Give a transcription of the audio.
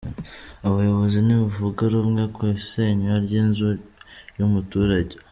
Abayobozi ntibavuga rumwe ku isenywa ry’inzu y’umuturage